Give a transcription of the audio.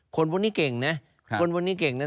คนพวกนี้เก่งเนี่ยคนพวกนี้เก่งเนี่ย